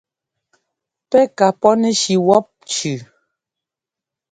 Pɛ́ ka pɔ́nɛshi wɔ́p cʉʉ.